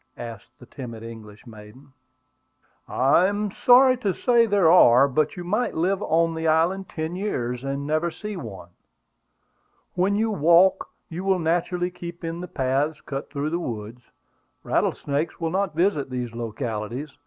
asked the timid English maiden. "I am sorry to say there are; but you might live on the island ten years and never see one. When you walk, you will naturally keep in the paths cut through the woods. Rattlesnakes will not visit these localities.